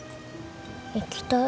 行きたい。